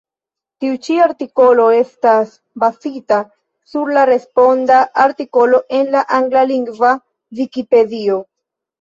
Tiu ĉi artikolo estas bazita sur la responda artikolo en la anglalingva Vikipedio.